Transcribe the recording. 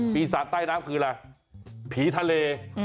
ปีศาจใต้น้ำคืออะไรผีทะเล